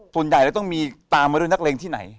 ส่วนใหญ่ต้องมีตามมาด้วยนักเลงที่ไหน